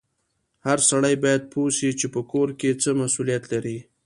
هر سړی باید پوه سي چې په کور کې څه مسولیت لري